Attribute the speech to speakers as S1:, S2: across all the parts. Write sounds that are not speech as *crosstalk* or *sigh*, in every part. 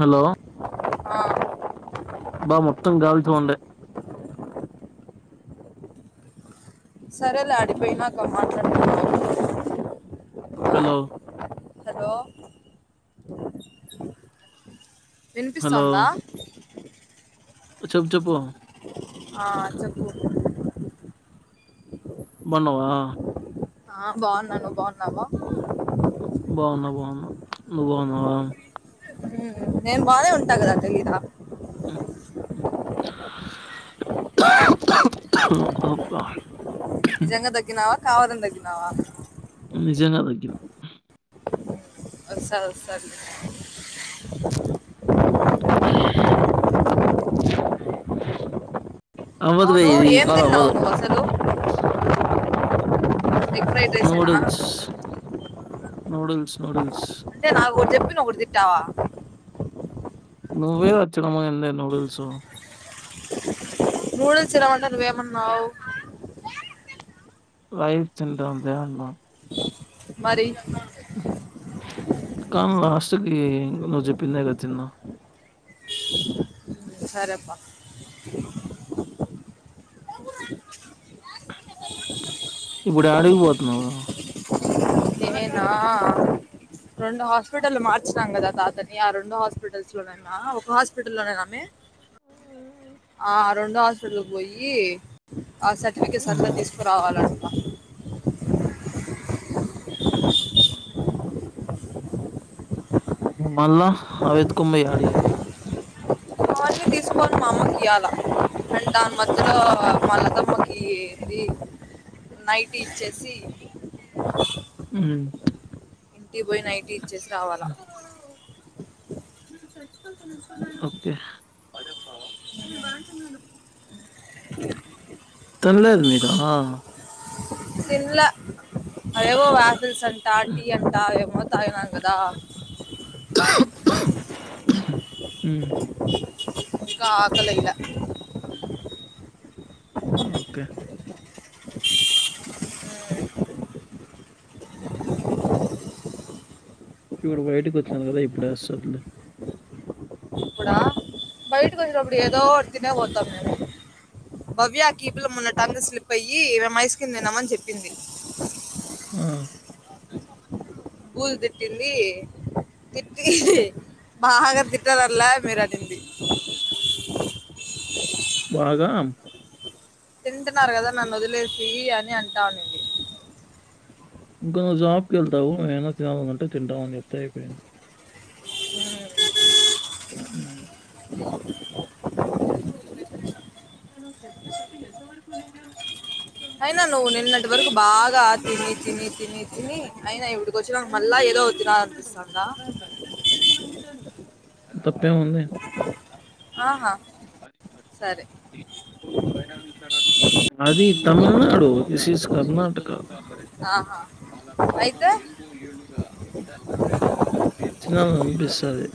S1: Hello
S2: ఆ
S1: బా మొత్తం గాలితో ఉంది
S2: సరేలే ఆడికి పోయినాక మాట్లాడతా
S1: హలో
S2: హలో
S1: హలో
S2: వినిపిస్తోందా
S1: చెప్పు చెప్పు
S2: ఆ చెప్పు
S1: బోన్నావ
S2: ఆ బోన్నాను బోన్నావా
S1: బాఉన్నా బాఉన్నా నువ్వు బాఉన్నావా
S2: నేను బానే ఉంటా గదా తెలీదా
S1: అబ్బా
S2: నిజంగా దగ్గినావా కావాలన్ దగ్గినావ
S1: నిజంగా దగ్గిన
S2: సరె సరె
S1: అవ్వదులే
S2: అవును
S1: ఇది
S2: ఏం తిన్నావు
S1: అదవ్వదు
S2: నువ్వు అసలు ఎగ్ ఫ్రైడ్ రైసేనా
S1: నూడుల్స్ నూడుల్స్
S2: అంటే నాకు ఒకటి చెప్పి ఒకటి తింటావా
S1: నువ్వే వచ్చడమైదే నూడిల్స్
S2: నూడిల్స్ తినమంటే నువ్వు ఏమన్నావు
S1: రైస్ తింటాం లే అన్న
S2: మరి
S1: కానీ లాస్ట్ కి నువ్వు జెప్పిందే గ తిన్నా
S2: సరే
S1: ఇప్పుడు ఆడిగిపోతున్నావు
S2: నేనా రెండు హాస్పిటల్ మార్చాం కదా తాతని ఆ రెండు హాస్పిటల్స్ లోనైనా ఒక హాస్పిటల్లో లోనే ఆ రెండో హాస్పిటల్కి పోయ్యి ఆ సర్టిఫికెట్స్ అంతా
S1: ఉమ్.
S2: ‌తీసుకురావాలంట అ *unintelligible*
S1: మల్ల అవెత్తొకొని బొయు యాడియాలా
S2: అవన్నీ తీసుకొని మా అమ్మకి ఇవ్వాల ఏంది నైట్ ఇచ్చేసి
S1: ఉం
S2: ఇంటికి బొయ్ నైటీ ఇచ్చేసి రావాలా
S1: ఒకె ఉ తనలేదు మీద
S2: తిన్లా అదేవో వాసల్స్ అంటా టీ అంటా ఎమో తాగినా గదా
S1: ఉం
S2: ఇక ఆకలై లా
S1: ఒకే ఇప్పుడు బయటకుచ్నావు గదా ఇప్పుడేస్తది లె
S2: బయటకొచ్చేటప్పుడు ఏదోటి తినే బోతాం మేము భవ్యకీ ఈ పిల్ల మొన్న టంగ్ స్లిప్ అయ్యి మేము ఐస్ క్రీమ్ తిన్నము అని చెప్పింది
S1: ఆ
S2: ఫుల్ తిట్టింది తిట్టి బాగా తిట్టాలల్లా మీరు అనింది
S1: బాగా
S2: తింటున్నారు కదా నన్ను వదిలేసి అని అంటావుంది
S1: ఇంకా నువ్ జాబ్కి వెళ్తవు ఏమైనా తినాలనుకుంటే తింటావు అని చెప్తే అయిపోయే హ్మ్. పెద్ద చెప్పిన ఎంతవరకు విజయం
S2: అయినా నువ్వు నిన్నటి వరకు బాగా తిని తిని తిని తిని అయినా ఇక్కడికి వచ్చినా మల్ల ఏదో ఒకటి తినాలనిపిస్తాందా
S1: తప్పేముంది?
S2: ఆహా సరే
S1: అది తమిళనాడు దిస్ ఇస్ కర్ణాటక
S2: ఆహా అయితే
S1: ఆ పిస్తది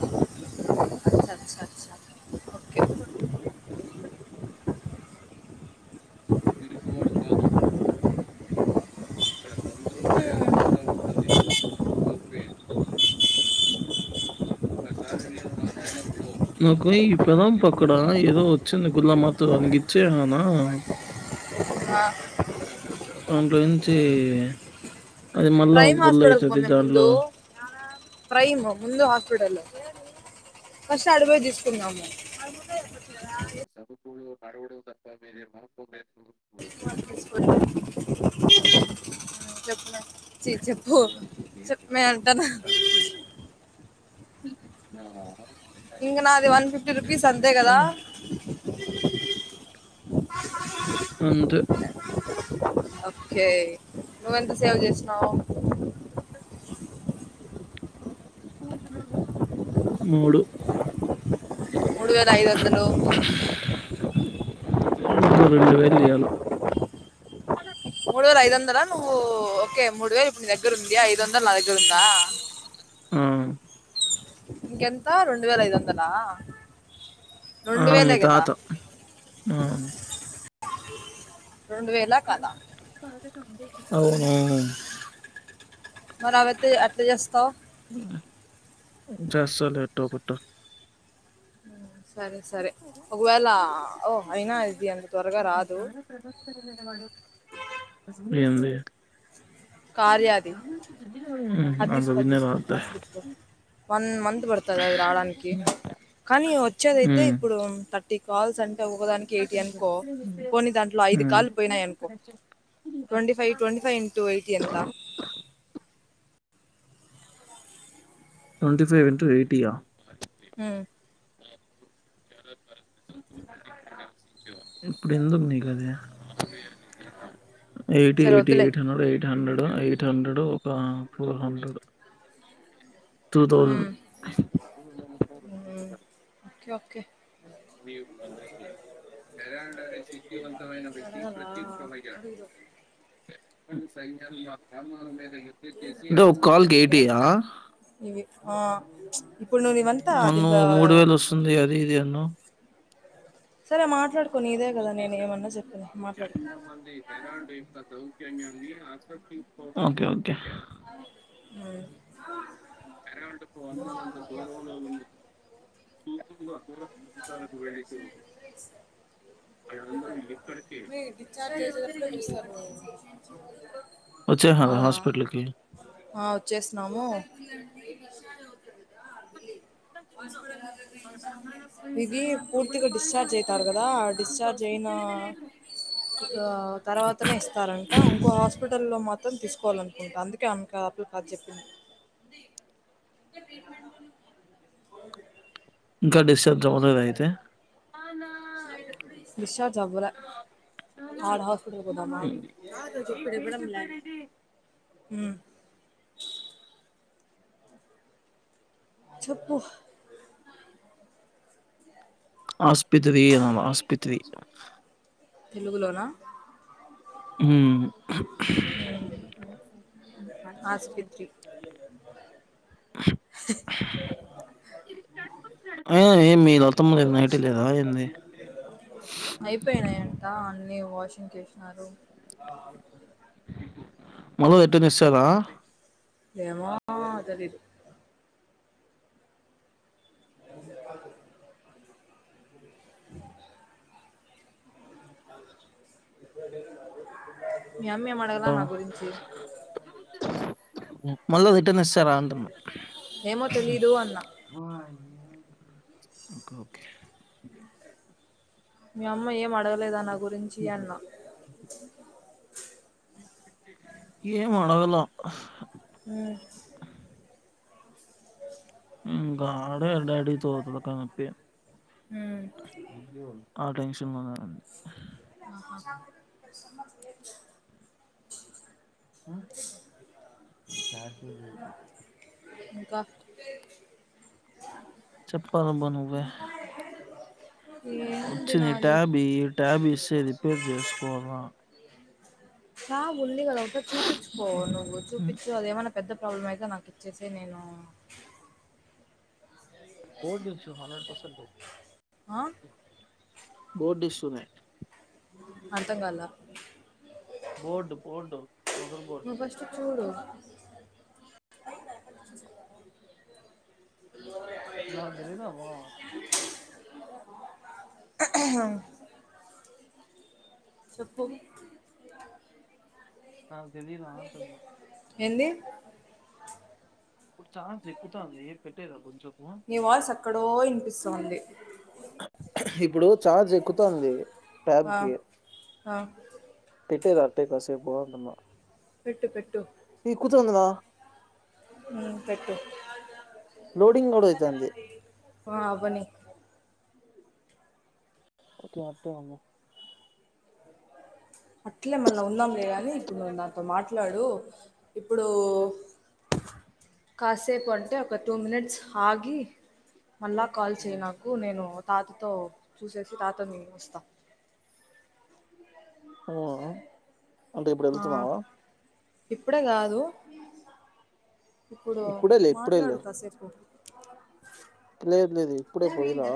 S2: అ సారి సారి స
S1: విిలిపివాడు కాదు ఇక్కడ సముద్రం భయానకంగా ఉంటుందిన్ అ నాకు ఈ పదం పక్కన ఏదో వచ్చింది గుల మాత్ర అని విచ్చేయండమ్మ
S2: ఆ.
S1: దాని గురించి
S2: ప్రైమ్ హాస్పిటల్ కొంచం ముందు ప్రైమ్ ముందు హాస్పిటల్ ఫస్ట్ అటు పోయి తీసుకుందము
S1: సభపు కడవుడ తప్ప మర మాకు
S2: చెప్పుమే చీ చెప్పు చెప్పుమే అంటాన ఇందుల అది వన్ ఫిఫ్టీ రుపీస్ అంతే కదా
S1: ఆహ్, అంతే
S2: ఓకే నువ్వెంత సేవ్ చేసినావ్
S1: మూడు
S2: మూడు వేల ఐదొందలు
S1: ఇంకో రెండు వేలు చేయాలా
S2: మూడు వేల ఐదొందల నువ్వు ఓకే మూడు వే నీ దగ్గర ఉంది ఐదు వందలు నా దగ్గర ఉందా
S1: ఆ!
S2: ఇంకెంత రెండు వేల ఐదొందలా
S1: ఆ మిగతాదంతా అవును
S2: రెండు వేలా కాదా
S1: అవును
S2: మరవత్తే అట్లా చేస్తావ్
S1: చేస్తాలే ఎట్టో అట్ట
S2: సరే సరే ఒకవేళ ఓ అయినా ఇది అంత త్వరగా రాదు
S1: ఏం లేదు
S2: కార్యాది
S1: ఉమ్
S2: అది తీసుకో అది తీసుకో ఆ స్లిప్
S1: *unintelligible*
S2: వన్ మంత్ పడుతాది అది రాడానికి కానీ వచ్చేదైతే
S1: హ్మ్.
S2: ఇప్పుడు థర్టీ కాల్స్ అండి ఒకదానికి ఎయిటీ అనుకో పోనీ దాంట్లో ఐదు
S1: హ్మ్.
S2: కాలు పోయినాయి అనుకో ట్వంటీ ఫైవ్ ట్వంటీ ఫైన్్వైటయి ఎంత
S1: ట్వంటీ ఫైవ్ ఇంటు ఎయిటీ
S2: హ
S1: ఇప్పుడు ఎందుకు నీకది ఎయిట్
S2: సరే
S1: ఎయిటీ
S2: వద్దులే
S1: eight hundred eight hundred eight hundred ఒక ఫోర్ హండ్రెడ్ టూ
S2: హు
S1: థౌసండ్
S2: ఒకే
S1: వియోత హేరా సిక్తివంతమైన వ్యక్తి
S2: అడగలా
S1: ప్రత్యమైజడు ఇదో ఒక కాల్
S2: ఇవే
S1: కేటీయా
S2: ఇవి ఆ ఇప్పుడు ను వంతా అది
S1: మొన్న
S2: ఇకా
S1: మూడు వేలు వస్తుంది అది ఇది అన్నావు
S2: సరే మా మాట్లాడుకో
S1: చాలా మంది హెరాల్డ్ యొక్క సౌజన్యాన్ని ఓకే ఓకే
S2: ఆ
S1: ఎంటప్పు వంద అంత దరవంలో సూ కు వెళ అళందరూ ఎక్కడికే
S2: మీ డిశ్చార్జ్
S1: ఇటే
S2: చేసేటప్పుడే
S1: దేచ్చ
S2: చూస్తారు
S1: వచ్చాార
S2: అవునా
S1: హాస్పిటల్కిి
S2: ఆ వచ్చేసిన్నాము దా అ హస్పిటల్ా ఇది పూర్తిగా డిశ్చార్జ్ అయితారు కదా డిశ్చార్జ్ అయిన తర్వాతనే ఇస్తారంట ఇంకో హాస్పిటల్ లో మాత్రం తీసుకోవాలనుకుంటా అందుకే ఆమె కా అప్పులు కాదు చెప్పింది *inaudible*
S1: ఇంకా డిశ్చార్జమనేద అయితే
S2: డిశ్చార్జ్ అవ్వలే ఆడ హస్పిటల్ పోద చప్పడ పడమనే హ చెప్పు
S1: ఆసుపట్రి అ ఆసుపట్రీ
S2: తెలుగులోనా
S1: ఉ
S2: ఆస్పిత్ర్రి
S1: అ మీ లతమ్మ లేదు నైట్ లేదా ఏంది
S2: అయిపోయినాయింట అన్నిీ వాషింగ్ కేష్ణారు
S1: మళ్ళీ రిటర్న్ ఇస్తారా
S2: ఏమ తెలిదు *inaudible* *inaudible* మీ అమ్మ ఎం మడగలా నా గురించిే
S1: నిశ్సరా అంటున
S2: ఏమో తెలీదు అన్నా
S1: ఓకే ఓకే
S2: మీ అమ్మ ఏం అడగలేదా నా గురించి అన్న
S1: ఏం అడగలే
S2: ఉ
S1: కాడ ఎడాడ తతు కనిప్పే
S2: ఉమ్,
S1: ఆ టెన్షన్ లోనేనండి
S2: *inaudible*
S1: చ స
S2: క్క
S1: చెప్పప్పల బన్ే
S2: ఏంటి
S1: వచ్చిన
S2: నాది
S1: ట్యాబీ ఈ ట్యాబీ ఇస్త రిపేర్ చేసుకోవరా
S2: చ ఉల్లిగాదా ఒకట చూపించుకో నువవు
S1: హ్మ్.
S2: చూపించు అదేమన్నా పెద్ద ప్రాబ్లమ్యి ఇకా నాకు ఇచ్చేసే నేను
S1: పో ద హన్ండ్రెడ్ పసెట్ ద
S2: ఆ?
S1: బోడ్ స్తునే
S2: అంతం కద
S1: బోర్డు బోర్డు మదర్ బోర్డు
S2: నువ్వు ఫస్ట్ చూడు
S1: నాదులేనా వా
S2: చెప్పం
S1: నాకు తెలిల త
S2: ఎంది
S1: ఇప్పుడు ాన్స్ ఎక్కుతుాంది ఏ పెట్టేదా కొంచెం
S2: నీ వాల్స్ ఎక్కడో ఇనిపిస్తోంది
S1: ఇప్పుడు చార్జ్ ఎక్కుతుంది ట్యాబ్
S2: ఆ,
S1: కి
S2: ఆ,
S1: పెిేదా అట్టే కాసే పోవ అంటన్నా
S2: పెట్టు పెట్టు
S1: ఈ కుతుంద రా
S2: మున్ పెట్టు
S1: లోోడింగ్ కూడాడయిత అంది
S2: బని
S1: ఒకక మట్టే అ
S2: అట్లే మళీ ఉన్నాంలేద అని ఇప్పుడు దాతో మాట్లాడు ఇప్పుడు కాసేపు అంటే ఒక టూ మినిట్స్ ఆగి మళ్ళా కాల్ చేయ
S1: హ్మ్.
S2: నాకు నేను తాతతో చూససి తాతని వస్తా
S1: హ్మ్. అంటే ఇప్పుడు
S2: ఆ,
S1: వెళ్తున్నావా
S2: ఇప్పుడే కాదు ఇప్పుడు
S1: ఇప్పుడేలే, ఇప్పుడేలే.
S2: మాట్లాడు కాసేపు
S1: లేదు లేదు ఇప్పుడే పోయిరా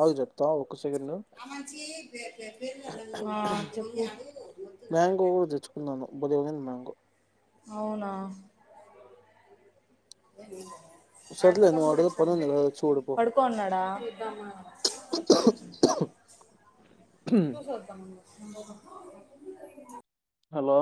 S1: ఆగు చెప్తా ఒక సెకండ్
S2: ఆ, చెప్పు
S1: మ్యాంగో కూడా తెచ్చుకున్నాను ఉదయవమంది మ్యాంగో
S2: అవునా
S1: సర్లే నువ్వు ఆడేదో పనుంది గదా చూడు పో.
S2: పడుకోన్నాడా తూ సోద్దా
S1: హలో